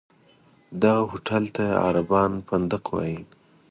دغه هوټل ته عربان فندق وایي.